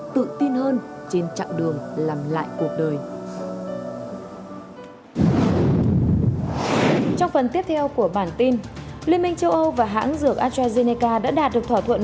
trong phần tiếp theo của bản tin liên minh châu âu và hãng dược astrazeneca đã đạt được thỏa thuận